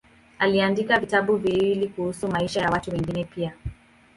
Aliandika vitabu viwili kuhusu maisha ya watu wengine pia.